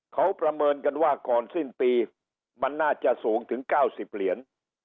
เขาประเมินกันว่าก่อนสิ้นปีมันน่าจะสูงถึง๙๐เหรียญ